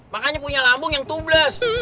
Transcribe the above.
makanya punya lambung yang tubles